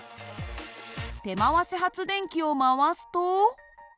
手回し発電機を回すと。